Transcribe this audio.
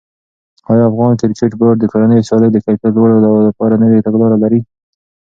آیا افغان کرکټ بورډ د کورنیو سیالیو د کیفیت لوړولو لپاره نوې تګلاره لري؟